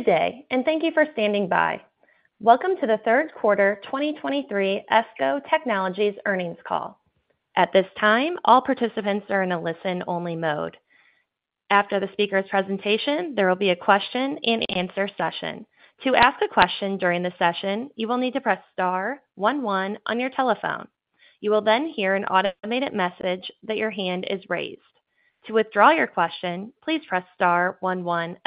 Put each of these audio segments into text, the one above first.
Good day, and thank you for standing by. Welcome to the third quarter 2023 ESCO Technologies Earnings call. At this time, all participants are in a listen-only mode. After the speaker's presentation, there will be a question-and-answer session. To ask a question during the session, you will need to press star one one on your telephone. You will then hear an automated message that your hand is raised. To withdraw your question, please press star one one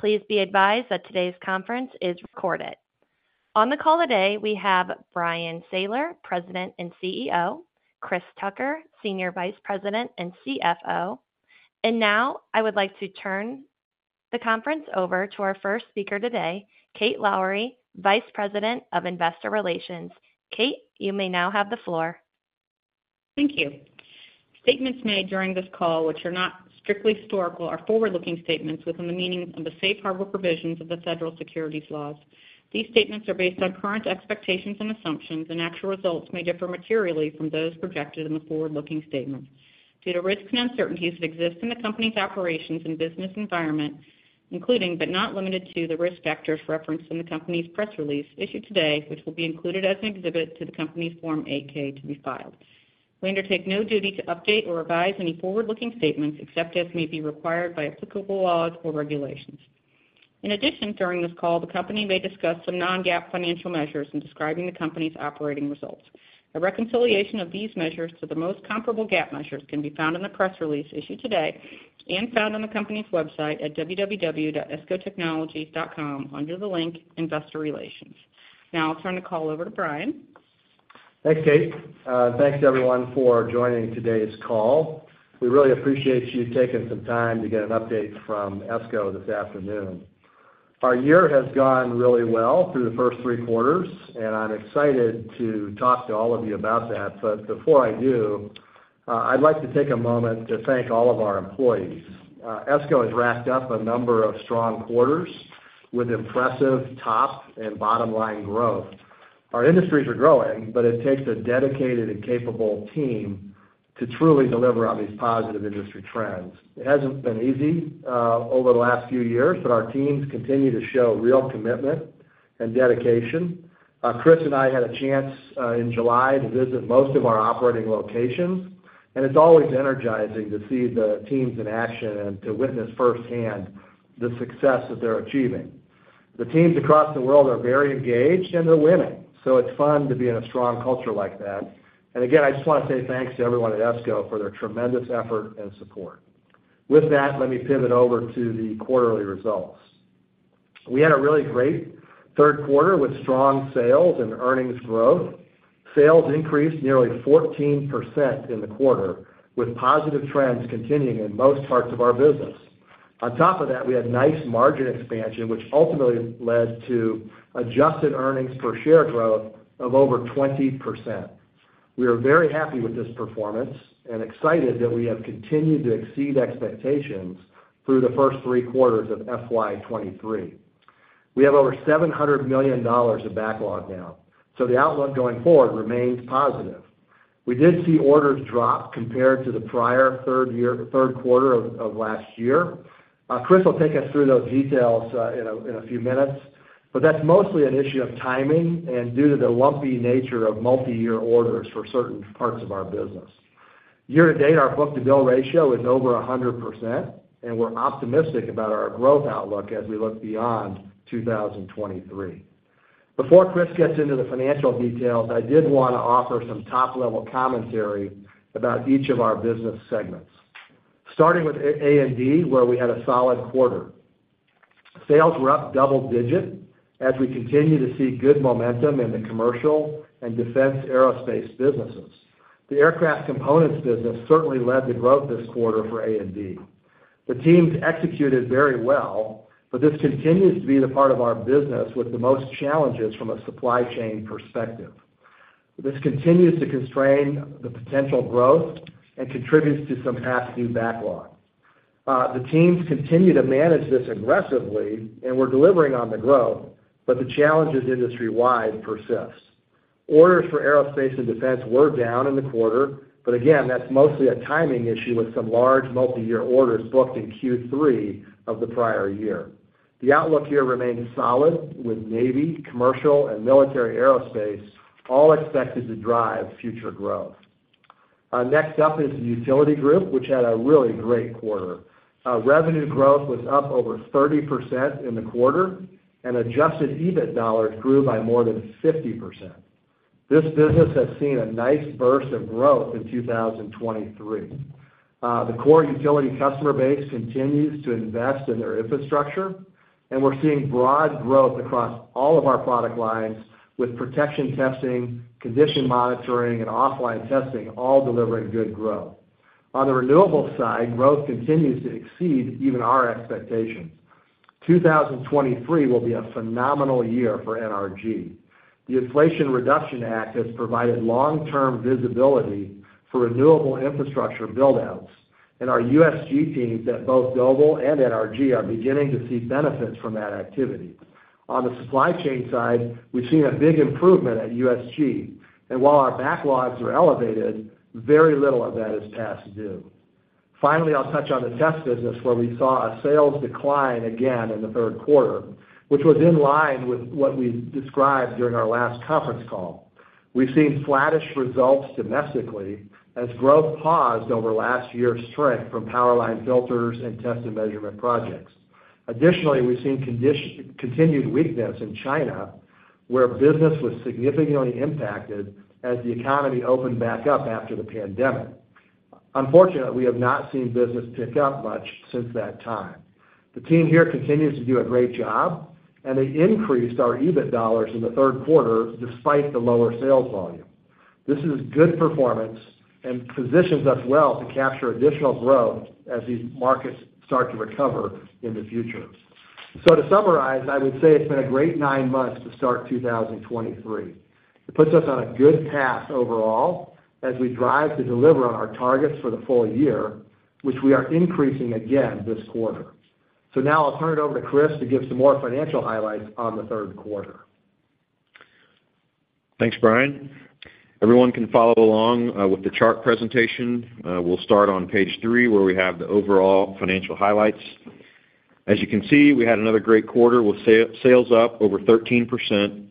again. Please be advised that today's conference is recorded. On the call today, we have Bryan Sayler, President and CEO, Chris Tucker, Senior Vice President and CFO. Now, I would like to turn the conference over to our first speaker today, Kate Lowrey, Vice President of Investor Relations. Kate, you may now have the floor. Thank you. Statements made during this call, which are not strictly historical, are forward-looking statements within the meaning of the safe harbor provisions of the federal securities laws. These statements are based on current expectations and assumptions, actual results may differ materially from those projected in the forward-looking statements due to risks and uncertainties that exist in the company's operations and business environment, including, but not limited to, the risk factors referenced in the company's press release issued today, which will be included as an exhibit to the company's Form 8-K to be filed. We undertake no duty to update or revise any forward-looking statements, except as may be required by applicable laws or regulations. In addition, during this call, the company may discuss some non-GAAP financial measures in describing the company's operating results. A reconciliation of these measures to the most comparable GAAP measures can be found in the press release issued today and found on the company's website at www.escotechnologies.com under the link Investor Relations. Now I'll turn the call over to Bryan. Thanks, Kate. Thanks, everyone, for joining today's call. We really appreciate you taking some time to get an update from ESCO this afternoon. Our year has gone really well through the first three quarters. I'm excited to talk to all of you about that. Before I do, I'd like to take a moment to thank all of our employees. ESCO has racked up a number of strong quarters with impressive top and bottom-line growth. Our industries are growing. It takes a dedicated and capable team to truly deliver on these positive industry trends. It hasn't been easy over the last few years. Our teams continue to show real commitment and dedication. Chris and I had a chance in July to visit most of our operating locations. It's always energizing to see the teams in action and to witness firsthand the success that they're achieving. The teams across the world are very engaged. They're winning, so it's fun to be in a strong culture like that. Again, I just want to say thanks to everyone at ESCO for their tremendous effort and support. With that, let me pivot over to the quarterly results. We had a really great third quarter with strong sales and earnings growth. Sales increased nearly 14% in the quarter, with positive trends continuing in most parts of our business. On top of that, we had nice margin expansion, which ultimately led to adjusted earnings per share growth of over 20%. We are very happy with this performance and excited that we have continued to exceed expectations through the first three quarters of FY23. We have over $700 million of backlog now, so the outlook going forward remains positive. We did see orders drop compared to the prior third quarter of last year. Chris will take us through those details in a few minutes, but that's mostly an issue of timing and due to the lumpy nature of multiyear orders for certain parts of our business. Year to date, our book-to-bill ratio is over 100%, and we're optimistic about our growth outlook as we look beyond 2023. Before Chris gets into the financial details, I did want to offer some top-level commentary about each of our business segments. Starting with A&D, where we had a solid quarter. Sales were up double-digit as we continue to see good momentum in the commercial and defense aerospace businesses. The aircraft components business certainly led to growth this quarter for A&D. This continues to be the part of our business with the most challenges from a supply chain perspective. This continues to constrain the potential growth and contributes to some past due backlog. The teams continue to manage this aggressively, and we're delivering on the growth, but the challenges industry-wide persists. Orders for aerospace and defense were down in the quarter, again, that's mostly a timing issue with some large multiyear orders booked in Q3 of the prior year. The outlook here remains solid, with Navy, commercial, and military aerospace all expected to drive future growth. Next up is the utility group, which had a really great quarter. Revenue growth was up over 30% in the quarter. Adjusted EBIT dollars grew by more than 50%. This business has seen a nice burst of growth in 2023. The core utility customer base continues to invest in their infrastructure. We're seeing broad growth across all of our product lines, with protection testing, condition monitoring, and offline testing all delivering good growth. On the renewables side, growth continues to exceed even our expectations. 2023 will be a phenomenal year for NRG. The Inflation Reduction Act has provided long-term visibility for renewable infrastructure build-outs. Our USG teams at both Doble and NRG are beginning to see benefits from that activity. On the supply chain side, we've seen a big improvement at USG. While our backlogs are elevated, very little of that is past due. I'll touch on the test business, where we saw a sales decline again in the 3rd quarter, which was in line with what we described during our last conference call. We've seen flattish results domestically, as growth paused over last year's strength from power line filters and test and measurement projects. We've seen continued weakness in China, where business was significantly impacted as the economy opened back up after the pandemic. We have not seen business pick up much since that time. The team here continues to do a great job, and they increased our EBIT dollars in the 3rd quarter despite the lower sales volume. This is good performance and positions us well to capture additional growth as these markets start to recover in the future. To summarize, I would say it's been a great 9 months to start 2023. It puts us on a good path overall as we drive to deliver on our targets for the full year, which we are increasing again this quarter. Now I'll turn it over to Chris to give some more financial highlights on the third quarter. Thanks, Bryan. Everyone can follow along with the chart presentation. We'll start on page three, where we have the overall financial highlights. As you can see, we had another great quarter, with sales up over 13%,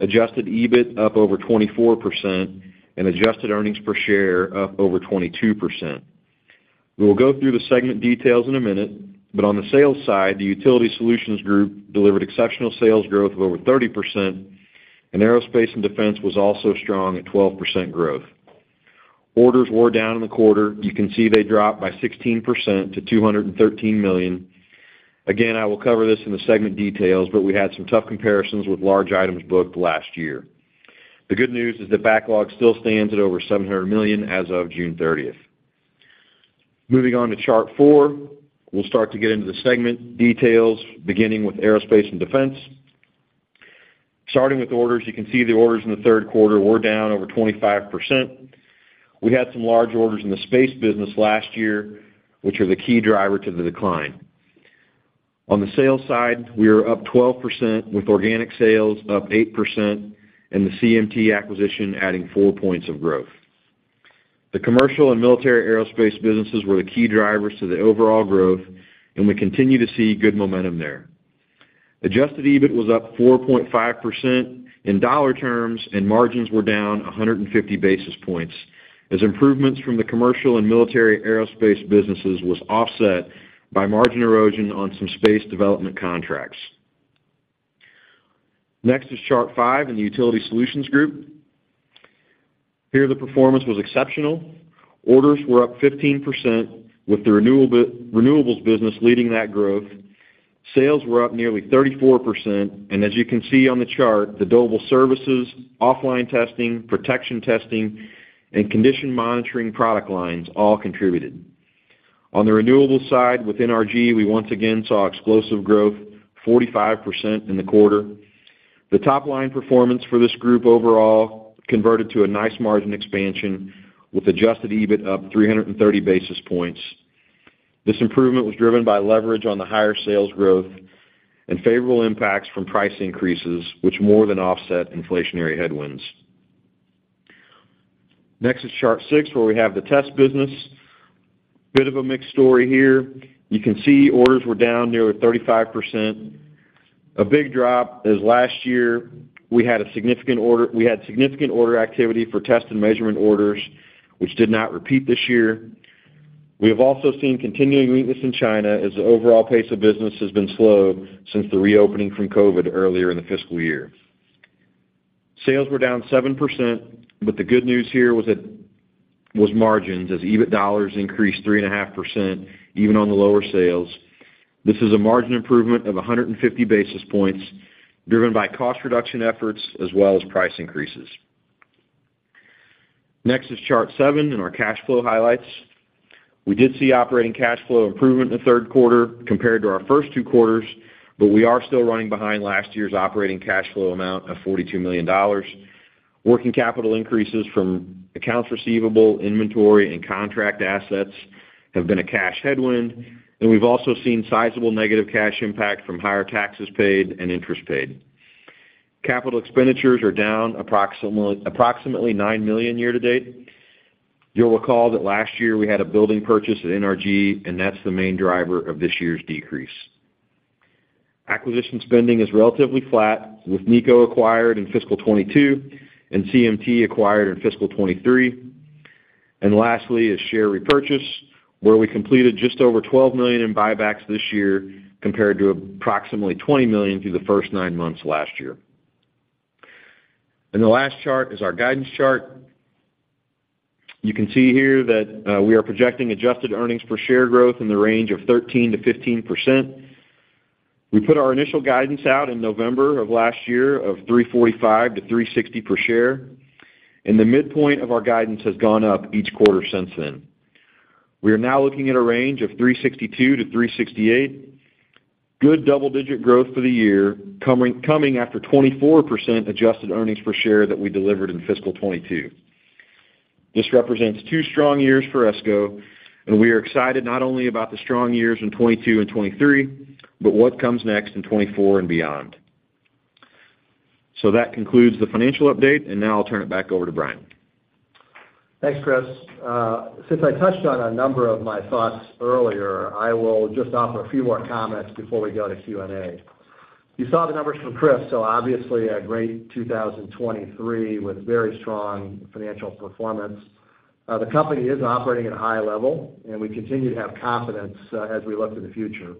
adjusted EBIT up over 24%, and adjusted earnings per share up over 22%. We will go through the segment details in a minute, but on the sales side, the Utility Solutions Group delivered exceptional sales growth of over 30%, and Aerospace & Defense was also strong at 12% growth. Orders were down in the quarter. You can see they dropped by 16% to $213 million. Again, I will cover this in the segment details, but we had some tough comparisons with large items booked last year. The good news is that backlog still stands at over $700 million as of June 30th. Moving on to Chart 4, we'll start to get into the segment details, beginning with Aerospace & Defense. Starting with orders, you can see the orders in the third quarter were down over 25%. We had some large orders in the space business last year, which are the key driver to the decline. On the sales side, we are up 12%, with organic sales up 8% and the CMT acquisition adding 4 points of growth. The commercial and military aerospace businesses were the key drivers to the overall growth. We continue to see good momentum there. Adjusted EBIT was up 4.5% in dollar terms, margins were down 150 basis points, as improvements from the commercial and military aerospace businesses was offset by margin erosion on some space development contracts. Next is chart 5 in the Utility Solutions Group. Here, the performance was exceptional. Orders were up 15%, with the renewables business leading that growth. Sales were up nearly 34%, as you can see on the chart, the Doble services, offline testing, protection testing, and condition monitoring product lines all contributed. On the renewables side, with NRG, we once again saw explosive growth, 45% in the quarter. The top-line performance for this group overall converted to a nice margin expansion, with adjusted EBIT up 330 basis points. This improvement was driven by leverage on the higher sales growth and favorable impacts from price increases, which more than offset inflationary headwinds. Next is chart 6, where we have the test business. Bit of a mixed story here. You can see orders were down nearly 35%. A big drop as last year we had significant order activity for test and measurement orders, which did not repeat this year. We have also seen continuing weakness in China, as the overall pace of business has been slow since the reopening from COVID earlier in the fiscal year. Sales were down 7%, the good news here was margins, as EBIT dollars increased 3.5%, even on the lower sales. This is a margin improvement of 150 basis points, driven by cost reduction efforts as well as price increases. Next is chart 7 and our cash flow highlights. We did see operating cash flow improvement in the third quarter compared to our first 2 quarters, but we are still running behind last year's operating cash flow amount of $42 million. Working capital increases from accounts receivable, inventory, and contract assets have been a cash headwind, and we've also seen sizable negative cash impact from higher taxes paid and interest paid. Capital expenditures are down approximately $9 million year to date. You'll recall that last year we had a building purchase at NRG, and that's the main driver of this year's decrease. Acquisition spending is relatively flat, with NEco acquired in fiscal 2022 and CMT acquired in fiscal 2023. Lastly is share repurchase, where we completed just over $12 million in buybacks this year, compared to approximately $20 million through the first nine months last year. The last chart is our guidance chart. You can see here that we are projecting adjusted earnings per share growth in the range of 13%-15%. We put our initial guidance out in November of last year of $3.45-$3.60 per share, and the midpoint of our guidance has gone up each quarter since then. We are now looking at a range of $3.62-$3.68. Good double-digit growth for the year, coming, coming after 24% adjusted earnings per share that we delivered in fiscal 2022. This represents two strong years for ESCO, we are excited not only about the strong years in 2022 and 2023, but what comes next in 2024 and beyond. That concludes the financial update, and now I'll turn it back over to Bryan. Thanks, Chris. Since I touched on a number of my thoughts earlier, I will just offer a few more comments before we go to Q&A. You saw the numbers from Chris, obviously, a great 2023 with very strong financial performance. The company is operating at a high level, and we continue to have confidence as we look to the future.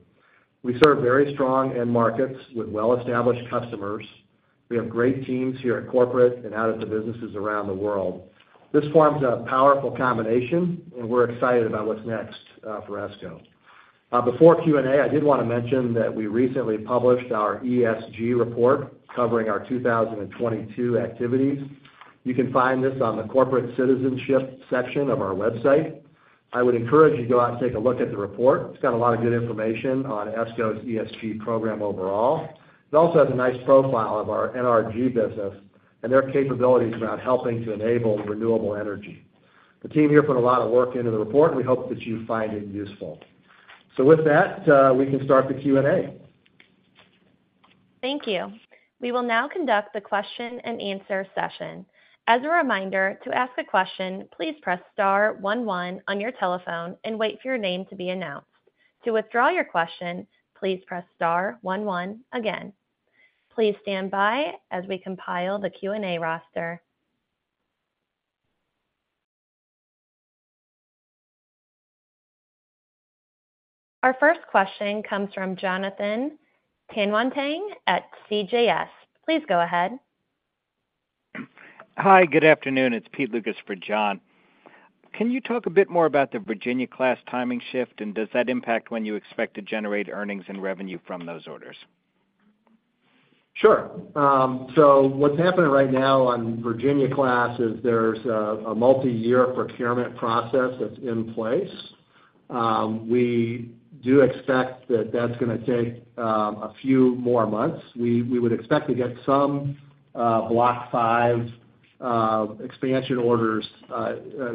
We serve very strong end markets with well-established customers. We have great teams here at corporate and out at the businesses around the world. This forms a powerful combination, and we're excited about what's next for ESCO. Before Q&A, I did wanna mention that we recently published our ESG report covering our 2022 activities. You can find this on the corporate citizenship section of our website. I would encourage you to go out and take a look at the report. It's got a lot of good information on ESCO's ESG program overall. It also has a nice profile of our NRG business and their capabilities around helping to enable renewable energy. The team here put a lot of work into the report. We hope that you find it useful. With that, we can start the Q&A. Thank you. We will now conduct the question and answer session. As a reminder, to ask a question, please press star one one on your telephone and wait for your name to be announced. To withdraw your question, please press star one one again. Please stand by as we compile the Q&A roster. Our first question comes from Jonathan Tanwantang at CJS Securities. Please go ahead. Hi, good afternoon. It's Pete Lucas for Jon. Can you talk a bit more about the Virginia-class timing shift, and does that impact when you expect to generate earnings and revenue from those orders? Sure. What's happening right now on Virginia class is there's a multiyear procurement process that's in place. We do expect that that's gonna take a few more months. We, we would expect to get some Block V expansion orders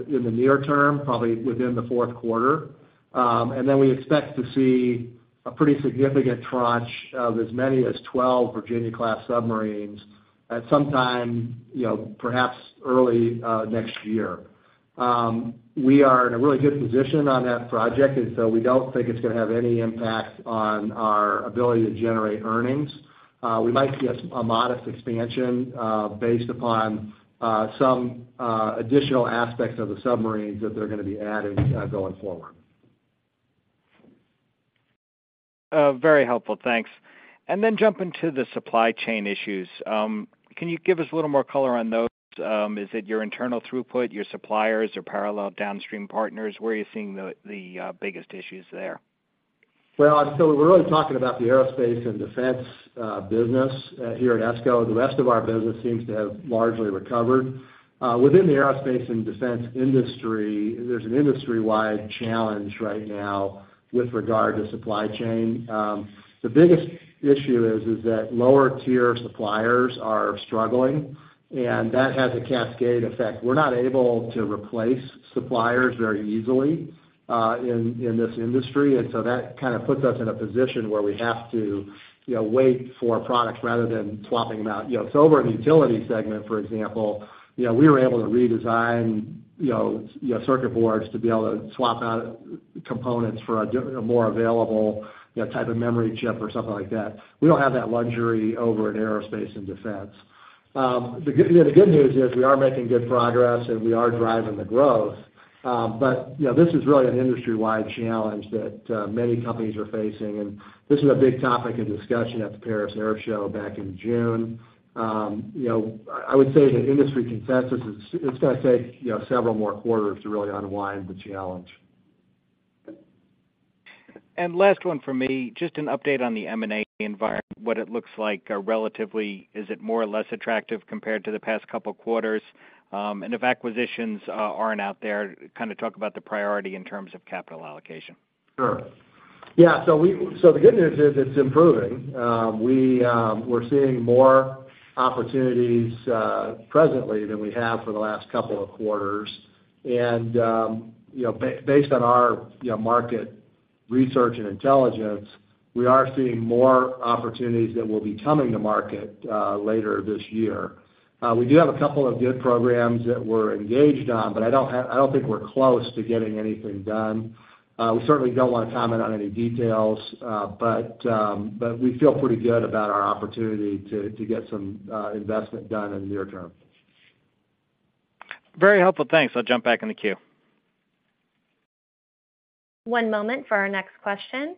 in the near term, probably within the fourth quarter. Then we expect to see a pretty significant tranche of as many as 12 Virginia class submarines at some time, you know, perhaps early next year. We are in a really good position on that project, we don't think it's gonna have any impact on our ability to generate earnings. We might see a modest expansion, based upon some additional aspects of the submarines that they're gonna be adding going forward. Very helpful. Thanks. Then jumping to the supply chain issues, can you give us a little more color on those? Is it your internal throughput, your suppliers, or parallel downstream partners? Where are you seeing the biggest issues there? Well, we're really talking about the Aerospace & Defense business here at ESCO. The rest of our business seems to have largely recovered. Within the Aerospace & Defense industry, there's an industry-wide challenge right now with regard to supply chain. The biggest issue is that lower-tier suppliers are struggling, and that has a cascade effect. We're not able to replace suppliers very easily in this industry, and so that kind of puts us in a position where we have to, you know, wait for a product rather than swapping them out. You know, so over in the utility segment, for example, you know, we were able to redesign, you know, circuit boards to be able to swap out components for a more available, you know, type of memory chip or something like that. We don't have that luxury over in Aerospace & Defense. The good, you know, the good news is we are making good progress, and we are driving the growth, but, you know, this is really an industry-wide challenge that many companies are facing, and this is a big topic of discussion at the Paris Air Show back in June. You know, I, I would say the industry consensus is, it's gonna take, you know, several more quarters to really unwind the challenge. Last one for me, just an update on the M&A environment, what it looks like relatively. Is it more or less attractive compared to the past couple of quarters? If acquisitions aren't out there, kind of talk about the priority in terms of capital allocation. Sure. Yeah, so the good news is it's improving. We're seeing more opportunities presently than we have for the last couple of quarters. You know, based on our, you know, market research and intelligence, we are seeing more opportunities that will be coming to market later this year. We do have a couple of good programs that we're engaged on, but I don't think we're close to getting anything done. We certainly don't want to comment on any details, but we feel pretty good about our opportunity to get some investment done in the near term. Very helpful. Thanks. I'll jump back in the queue. One moment for our next question.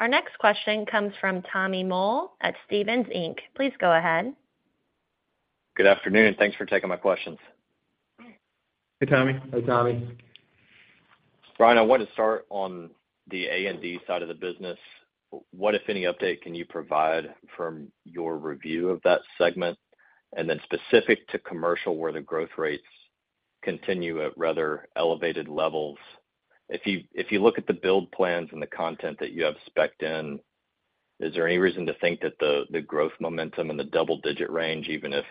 Our next question comes from Tommy Moll at Stephens Inc. Please go ahead. Good afternoon, and thanks for taking my questions. Hey, Tommy. Hi, Tommy. Bryan, I want to start on the A&D side of the business. What, if any, update can you provide from your review of that segment? Then specific to commercial, where the growth rates continue at rather elevated levels, if you, if you look at the build plans and the content that you have specced in,... Is there any reason to think that the, the growth momentum in the double-digit range, even if,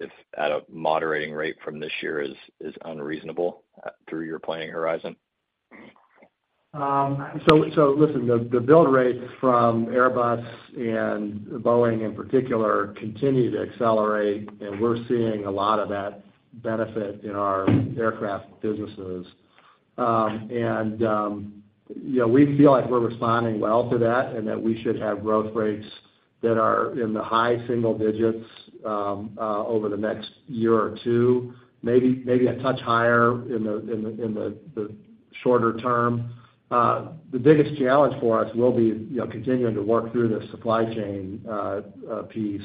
if at a moderating rate from this year, is, is unreasonable through your planning horizon? So listen, the, the build rate from Airbus and Boeing, in particular, continue to accelerate, and we're seeing a lot of that benefit in our aircraft businesses. You know, we feel like we're responding well to that, and that we should have growth rates that are in the high single digits over the next year or two, maybe, maybe a touch higher in the, in the, in the, the shorter term. The biggest challenge for us will be, you know, continuing to work through this supply chain piece.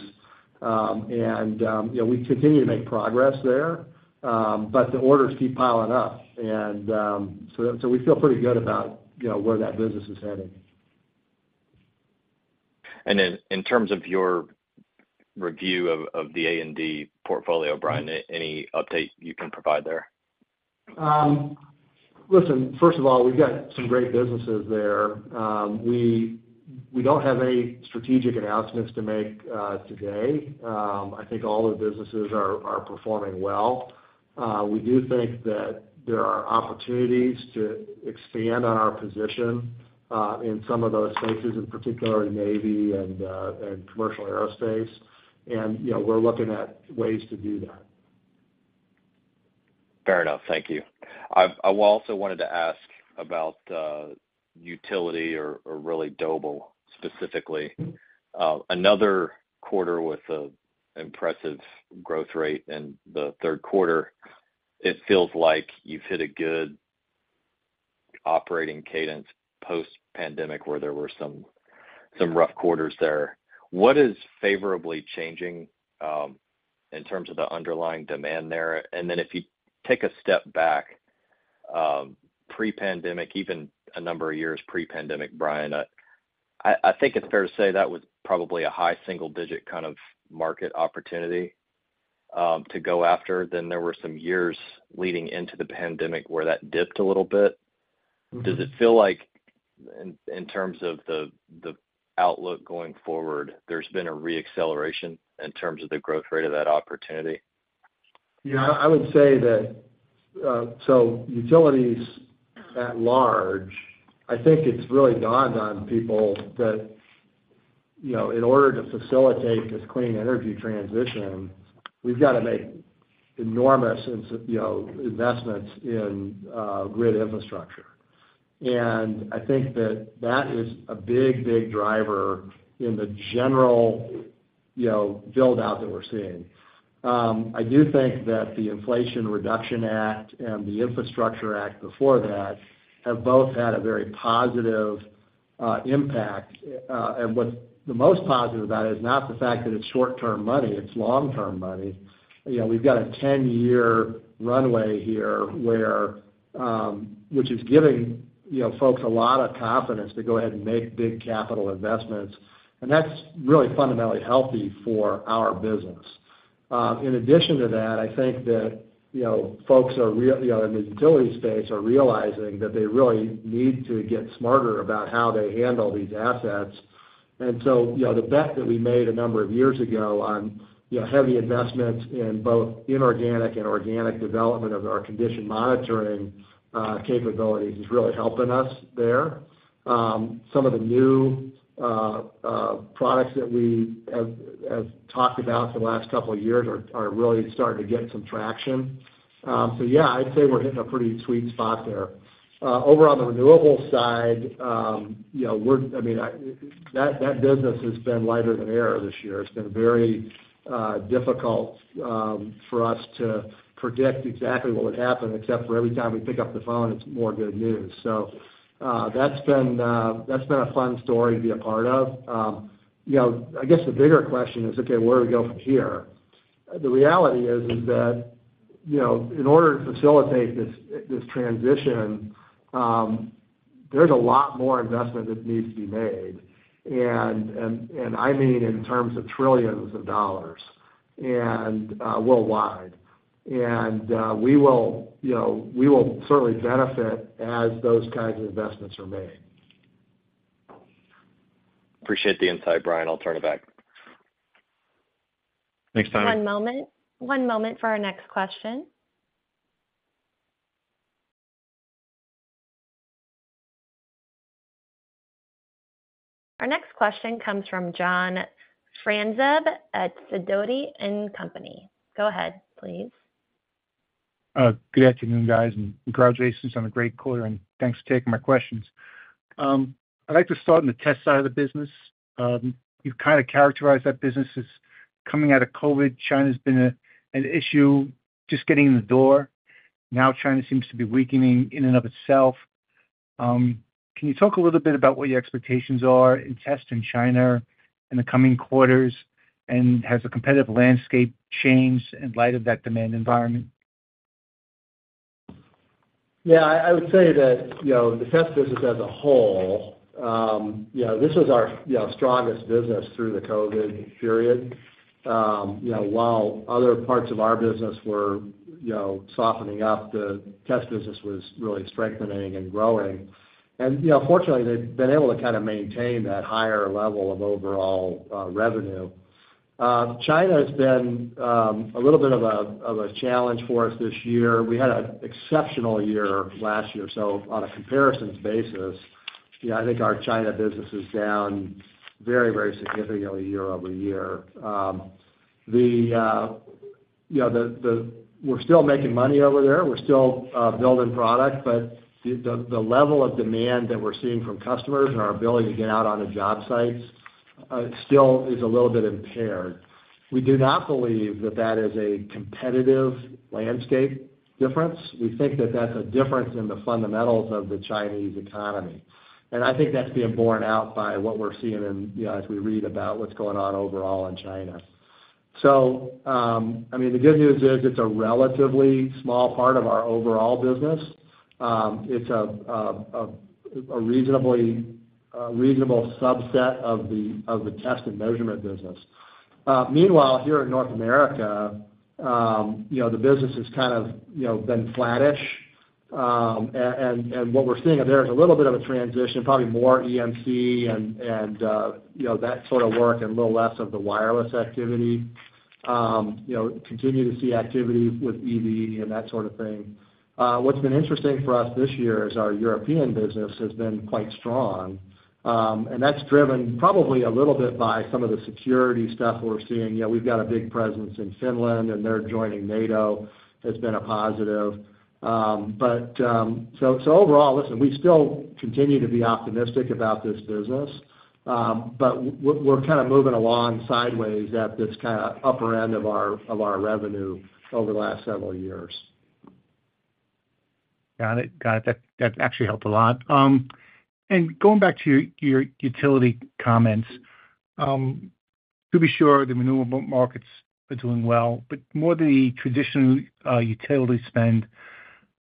You know, we continue to make progress there, but the orders keep piling up. So we feel pretty good about, you know, where that business is headed. Then in terms of your review of, of the A&D portfolio, Bryan Sayler, any update you can provide there? Listen, first of all, we've got some great businesses there. We, we don't have any strategic announcements to make today. I think all the businesses are, are performing well. We do think that there are opportunities to expand on our position in some of those spaces, in particular, Navy and commercial aerospace. You know, we're looking at ways to do that. Fair enough. Thank you. I also wanted to ask about utility or, or really Doble, specifically. Another quarter with a impressive growth rate in the third quarter, it feels like you've hit a good operating cadence post-pandemic, where there were some, some rough quarters there. What is favorably changing in terms of the underlying demand there? If you take a step back, pre-pandemic, even a number of years pre-pandemic, Bryan, I, I think it's fair to say that was probably a high single-digit kind of market opportunity to go after. There were some years leading into the pandemic where that dipped a little bit. Does it feel like in terms of the outlook going forward, there's been a re-acceleration in terms of the growth rate of that opportunity? Yeah, I would say that utilities at large, I think it's really dawned on people that, you know, in order to facilitate this clean energy transition, we've got to make enormous, you know, investments in grid infrastructure. I think that that is a big, big driver in the general, you know, build-out that we're seeing. I do think that the Inflation Reduction Act and the Infrastructure Act before that, have both had a very positive impact. What's the most positive about it is not the fact that it's short-term money, it's long-term money. You know, we've got a 10-year runway here, where which is giving, you know, folks a lot of confidence to go ahead and make big capital investments, and that's really fundamentally healthy for our business. In addition to that, I think that, you know, folks, you know, in the utility space are realizing that they really need to get smarter about how they handle these assets. You know, the bet that we made a number of years ago on, you know, heavy investment in both inorganic and organic development of our condition monitoring capabilities is really helping us there. Some of the new products that we have, have talked about for the last couple of years are really starting to get some traction. I'd say we're hitting a pretty sweet spot there. Over on the renewable side, you know, that, that business has been lighter than air this year. It's been very difficult for us to predict exactly what would happen, except for every time we pick up the phone, it's more good news. That's been a fun story to be a part of. You know, I guess the bigger question is, okay, where do we go from here? The reality is, is that, you know, in order to facilitate this, this transition, there's a lot more investment that needs to be made. I mean, in terms of trillions of dollars worldwide. We will, you know, we will certainly benefit as those kinds of investments are made. Appreciate the insight, Bryan. I'll turn it back. Thanks, Tommy. One moment. One moment for our next question. Our next question comes from John Franzreb at Sidoti & Company. Go ahead, please. Good afternoon, guys, congratulations on a great quarter, and thanks for taking my questions. I'd like to start on the Test side of the business. You've kind of characterized that business as coming out of COVID. China's been an issue, just getting in the door. Now, China seems to be weakening in and of itself. Can you talk a little bit about what your expectations are in Test in China in the coming quarters? Has the competitive landscape changed in light of that demand environment? Yeah, I, I would say that, you know, the test business as a whole, you know, this is our, you know, strongest business through the COVID period. You know, while other parts of our business were, you know, softening up, the test business was really strengthening and growing. You know, fortunately, they've been able to kind of maintain that higher level of overall, revenue. China has been a little bit of a, of a challenge for us this year. We had an exceptional year last year, so on a comparisons basis, yeah, I think our China business is down very, very significantly year-over-year. You know, we're still making money over there. We're still building product, but the, the level of demand that we're seeing from customers and our ability to get out on the job sites still is a little bit impaired. We do not believe that that is a competitive landscape difference. We think that that's a difference in the fundamentals of the Chinese economy. I think that's being borne out by what we're seeing in, you know, as we read about what's going on overall in China. I mean, the good news is, it's a relatively small part of our overall business. It's a, a, a, a reasonably, a reasonable subset of the, of the test and measurement business. Meanwhile, here in North America, you know, the business has kind of, you know, been flattish. What we're seeing there is a little bit of a transition, probably more EMP and, you know, that sort of work and a little less of the wireless activity. You know, continue to see activity with EV and that sort of thing. What's been interesting for us this year is our European business has been quite strong. That's driven probably a little bit by some of the security stuff we're seeing. You know, we've got a big presence in Finland, and their joining NATO has been a positive. Overall, listen, we still continue to be optimistic about this business. We're kind of moving along sideways at this kind of upper end of our, of our revenue over the last several years. Got it. Got it. That, that actually helped a lot. Going back to your, your utility comments, to be sure, the renewable markets are doing well, but more the traditional, utility spend.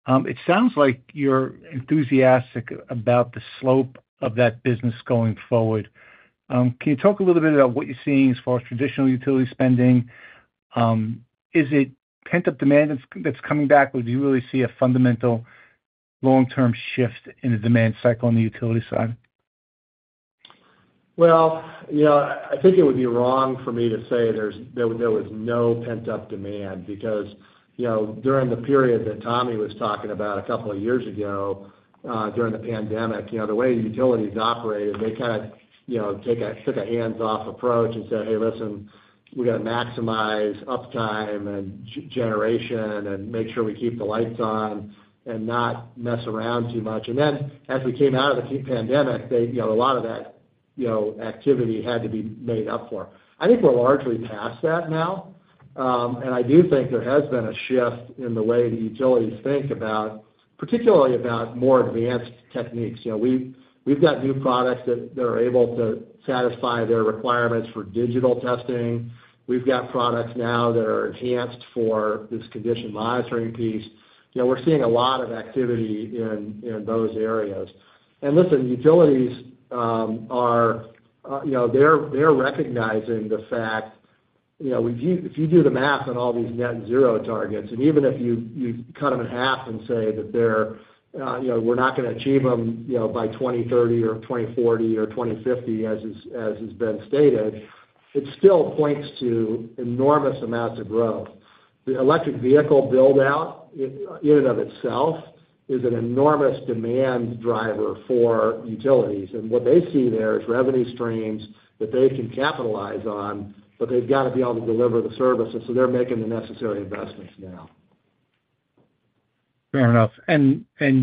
It sounds like you're enthusiastic about the slope of that business going forward. Can you talk a little bit about what you're seeing as far as traditional utility spending? Is it pent-up demand that's, that's coming back, or do you really see a fundamental long-term shift in the demand cycle on the utility side? Well, you know, I think it would be wrong for me to say there's, there, there was no pent-up demand because, you know, during the period that Tommy was talking about a couple of years ago, during the pandemic, you know, the way the utilities operated, they kind of, you know, took a hands-off approach and said, "Hey, listen, we got to maximize uptime and generation and make sure we keep the lights on and not mess around too much." Then as we came out of the pandemic, they, you know, a lot of that, you know, activity had to be made up for. I think we're largely past that now. I do think there has been a shift in the way the utilities think about, particularly about more advanced techniques. You know, we've, we've got new products that, that are able to satisfy their requirements for digital testing. We've got products now that are enhanced for this condition monitoring piece. You know, we're seeing a lot of activity in, in those areas. Listen, utilities, you know, they're, they're recognizing the fact, you know, if you, if you do the math on all these net zero targets, even if you, you cut them in half and say that they're, you know, we're not gonna achieve them, you know, by 2030 or 2040 or 2050, as is, as has been stated, it still points to enormous amounts of growth. The electric vehicle build-out, in and of itself, is an enormous demand driver for utilities. What they see there is revenue streams that they can capitalize on, but they've got to be able to deliver the services, so they're making the necessary investments now. Fair enough.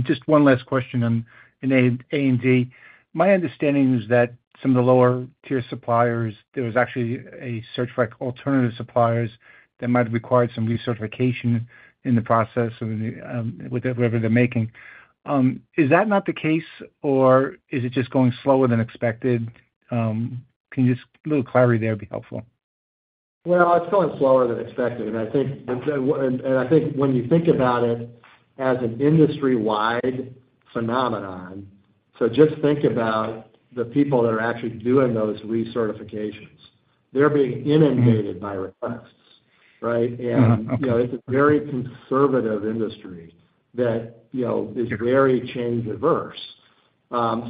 Just one last question on A&D. My understanding is that some of the lower-tier suppliers, there was actually a search for alternative suppliers that might have required some recertification in the process of the whatever they're making. Is that not the case, or is it just going slower than expected? Can you just... A little clarity there would be helpful. It's going slower than expected, and I think, and I think when you think about it as an industry-wide phenomenon, just think about the people that are actually doing those recertifications. They're being inundated by requests, right? Okay. You know, it's a very conservative industry that, you know, is very change-averse.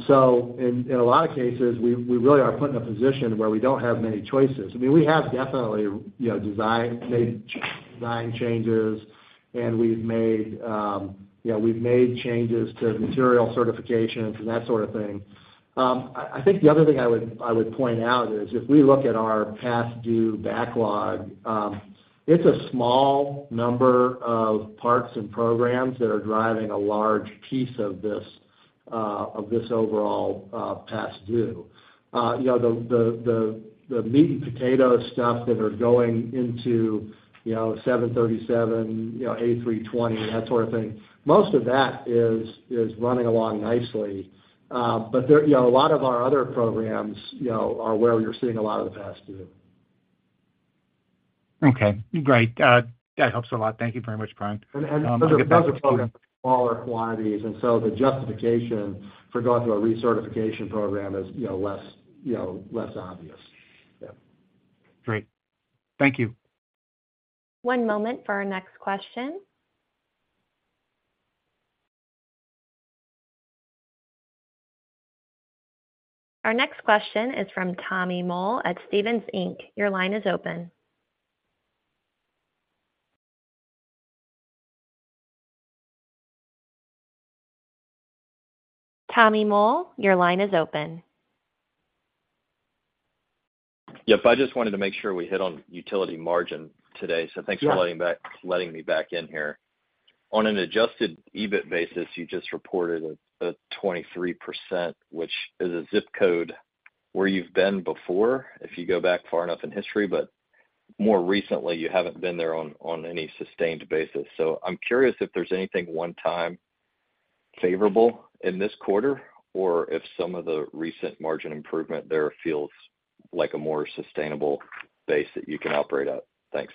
So in, in a lot of cases, we, we really are put in a position where we don't have many choices. I mean, we have definitely, you know, design, made design changes, and we've made, you know, we've made changes to material certifications and that sort of thing. I, I think the other thing I would, I would point out is, if we look at our past due backlog, it's a small number of parts and programs that are driving a large piece of this, of this overall, past due. You know, the, the, the, the meat and potato stuff that are going into, 737, A320, that sort of thing, most of that is, is running along nicely. There a lot of our other programs, you know, are where you're seeing a lot of the past due. Okay, great. That helps a lot. Thank you very much, Bryan. I'll get back to you. Those are programs with smaller quantities, and so the justification for going through a recertification program is, you know, less, you know, less obvious. Yeah. Great. Thank you. One moment for our next question. Our next question is from Tommy Moll at Stephens Inc. Your line is open. Tommy Moll, your line is open. Yep, I just wanted to make sure we hit on utility margin today, so thanks for letting back, letting me back in here. On an adjusted EBIT basis, you just reported a, a 23%, which is a zip code where you've been before, if you go back far enough in history, but more recently, you haven't been there on, on any sustained basis. I'm curious if there's anything one-time favorable in this quarter, or if some of the recent margin improvement there feels like a more sustainable base that you can operate at? Thanks.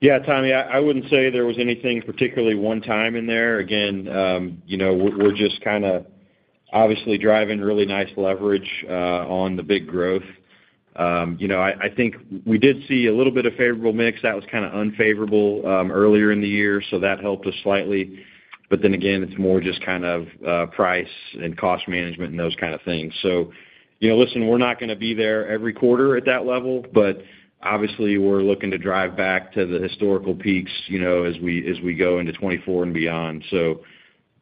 Yeah, Tommy, I, I wouldn't say there was anything particularly one time in there. Again, you know, we're, we're just kinda obviously driving really nice leverage on the big growth. You know, I, I think we did see a little bit of favorable mix that was kinda unfavorable earlier in the year, so that helped us slightly. Again, it's more just kind of price and cost management and those kind of things. You know, listen, we're not gonna be there every quarter at that level, but obviously, we're looking to drive back to the historical peaks, you know, as we, as we go into 2024 and beyond.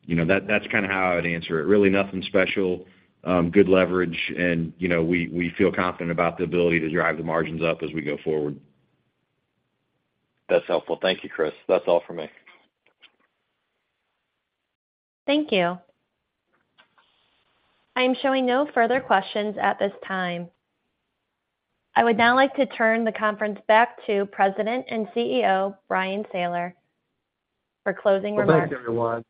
You know, that's kinda how I'd answer it. Really nothing special, good leverage, and, you know, we, we feel confident about the ability to drive the margins up as we go forward. That's helpful. Thank you, Chris. That's all for me. Thank you. I am showing no further questions at this time. I would now like to turn the conference back to President and CEO, Bryan Sayler, for closing remarks. Well, thanks, everyone.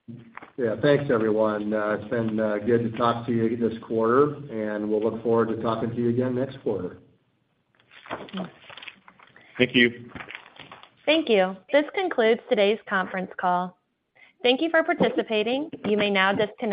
Yeah, thanks, everyone. It's been good to talk to you this quarter, and we'll look forward to talking to you again next quarter. Thank you. Thank you. This concludes today's conference call. Thank you for participating. You may now disconnect.